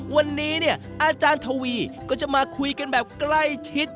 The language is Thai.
วันนี้เนี่ยอาจารย์ทวีก็จะมาคุยกันแบบใกล้ชิด